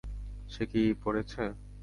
সে কি পরেছে?